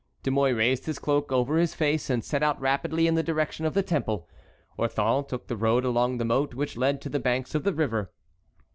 De Mouy raised his cloak over his face, and set out rapidly in the direction of the Temple. Orthon took the road along the moat which led to the banks of the river.